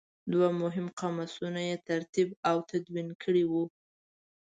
دوه مهم قاموسونه یې ترتیب او تدوین کړي وو.